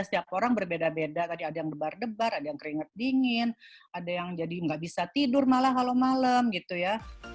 setiap orang berbeda beda tadi ada yang debar debar ada yang keringat dingin ada yang jadi nggak bisa tidur malah halo malam gitu ya